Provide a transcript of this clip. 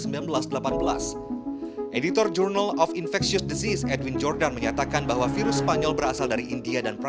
editor journal of infectious disease edwin jordan menyatakan bahwa virus spanyol berasal dari india dan